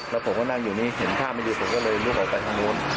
แล้วผมก็นั่งอยู่นี่เห็นท่าไม่ดีผมก็เลยลุกออกไปทางนู้น